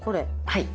はい。